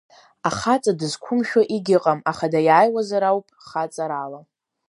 Ахаҵа дызқәымшәо егьыҟам, аха даиааиуазар ауп хаҵарала.